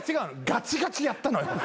ガチガチやったのよ。